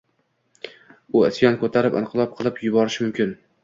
u isyon ko‘tarib inqilob qilib yuborishi mumkin.